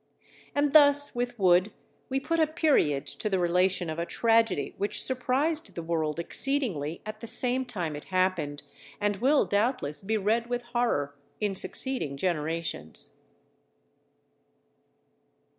And thus with Wood we put a period to the relation of a tragedy which surprised the world exceedingly at the same time it happened, and will doubtless be read with horror in succeeding generations.